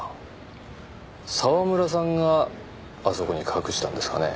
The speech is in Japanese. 沢村さんがあそこに隠したんですかね？